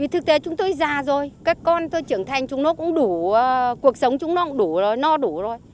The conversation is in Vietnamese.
thực tế chúng tôi già rồi các con tôi trưởng thành chúng nó cũng đủ cuộc sống chúng nó cũng đủ rồi no đủ thôi